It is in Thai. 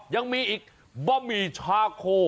ยังมีอีกบะหมี่ชาโค